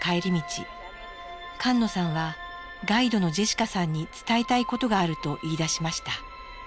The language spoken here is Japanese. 菅野さんはガイドのジェシカさんに伝えたいことがあると言いだしました。